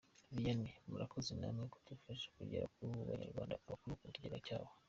Vianney: Murakoze namwe kudufasha kugeza ku Banyarwanda amakuru ku kigega cyabo.